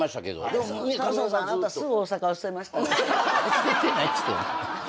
捨ててないっつって。